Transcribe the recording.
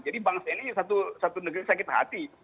jadi bangsa ini satu negeri sakit hati